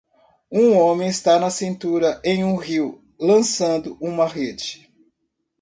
Um homem está na cintura em um rio lançando uma rede.